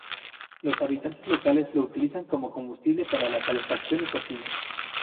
Los habitantes locales la utilizan como combustible para calefacción y cocina.